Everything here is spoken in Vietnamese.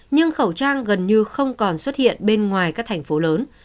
nhưng khẩu trang gần như không còn xuất hiện bên ngoài các thành phố lớn